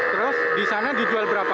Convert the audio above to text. terus di sana dijual berapa